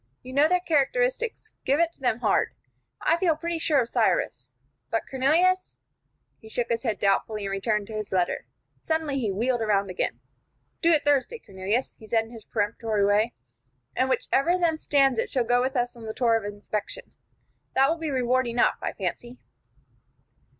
You know their characteristics; give it to them hard. I feel pretty sure of Cyrus, but Cornelius " He shook his head doubtfully, and returned to his letter. Suddenly he wheeled about again. "Do it Thursday, Cornelius," he said, in his peremptory way, "and whichever one of them stands it shall go with us on the tour of inspection. That will be reward enough, I fancy."